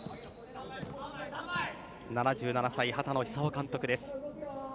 ７７歳、畑野久雄監督です。